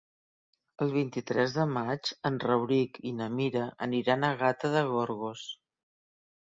El vint-i-tres de maig en Rauric i na Mira aniran a Gata de Gorgos.